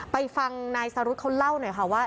ไปฟังนายสรุธเขาเล่าหน่อยค่ะว่า